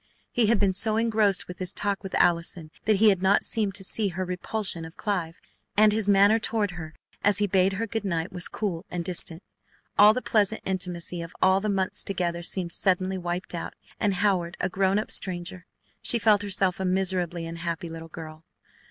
He had been so engrossed with his talk with Allison that he had not seemed to see her repulsion of Clive, and his manner toward her as he bade her good night was cool and distant. All the pleasant intimacy of all the months together seemed suddenly wiped out, and Howard a grown up stranger. She felt herself a miserably unhappy little girl.